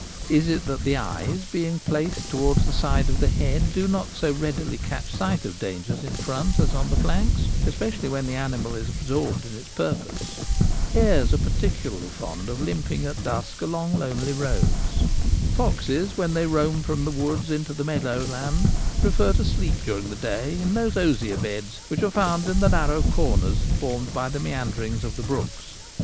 Is it that the eyes, being placed towards the side of the head, do not so readily catch sight of dangers in front as on the flanks, especially when the animal is absorbed in its purpose ? Hares are peculiarly fond of limping at dusk along lonely roads. Foxes, when they roam from the woods into the meadow land, prefer to sleep during the day in those osier beds which are found in the narrow corners formed by the meanderings of the brooks.